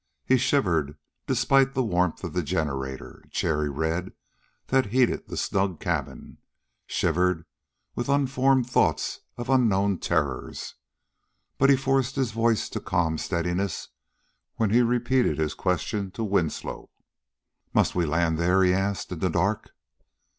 He shivered, despite the warmth of the generator, cherry red, that heated the snug cabin; shivered with unformed thoughts of unknown terrors. But he forced his voice to calm steadiness when he repeated his question to Winslow. "Must we land there?" he asked. "In the dark?"